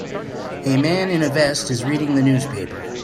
A man in a vest is reading the newspaper.